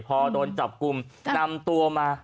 พอโดนจับกลุ่มนำตัวมา